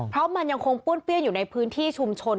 เพราะมันยังคงป้วนเปี้ยนอยู่ในพื้นที่ชุมชน